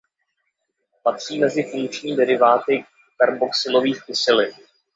Patří mezi funkční deriváty karboxylových kyselin.